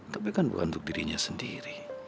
tapi kan bukan untuk dirinya sendiri